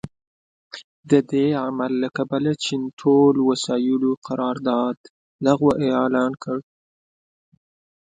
د دې عمل له کبله چین ټول وسايلو قرارداد لغوه اعلان کړ.